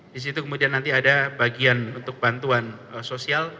di situ kemudian nanti ada bagian untuk bantuan sosial